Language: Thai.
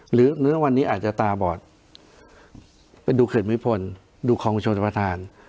หรือวันนี้อาจจะตาบอดไปดูเขตมิพลดูครองชนประธาน